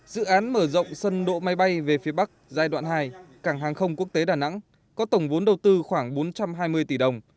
dự án mở rộng sân đỗ máy bay về phía bắc giai đoạn hai cảng hàng không quốc tế đà nẵng có tổng vốn đầu tư khoảng bốn trăm hai mươi tỷ đồng